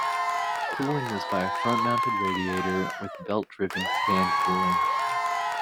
Cooling was by a front-mounted radiator, with belt-driven fan cooling.